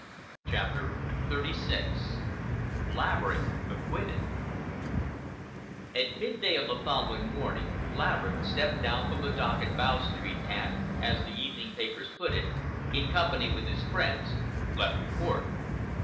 CHAPTER XXXVI LAVERICK ACQUITTED At mid day on the following morning Laverick stepped down from the dock at Bow Street and, as the evening papers put it, "in company with his friends left the court."